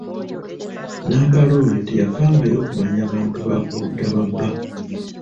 Nnampala oyo teyafangayo kumanya bantu ba ku ludda lwa bba.